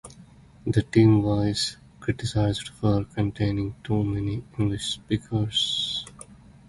The team was criticised for containing too many English speakers.